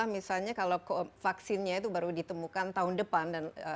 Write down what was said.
misalnya kalau vaksinnya itu baru ditemukan tahun depan